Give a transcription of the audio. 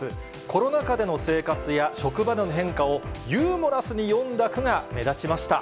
コロナ禍での生活や、職場での変化をユーモラスに詠んだ句が目立ちました。